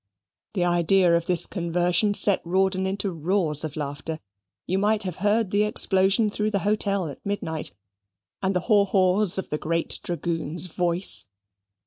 The idea of this conversion set Rawdon into roars of laughter: you might have heard the explosion through the hotel at midnight, and the haw haws of the great dragoon's voice.